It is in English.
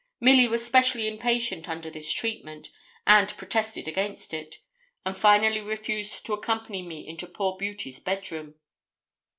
Milly was specially impatient under this treatment, and protested against it, and finally refused to accompany me into poor Beauty's bed room.